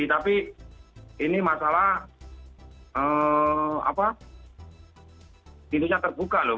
tapi ini masalah pintunya terbuka loh